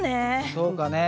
そうだね。